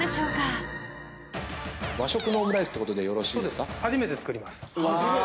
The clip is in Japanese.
和食のオムライスってことでよろしいですか？